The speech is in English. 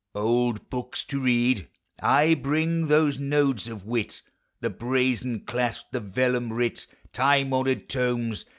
Old books to read!— Ay, bring those nodes of wit, The brazen clasped, the vellum writ. Time honored tomes